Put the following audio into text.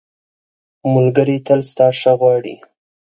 ملګری تل ستا ښه غواړي.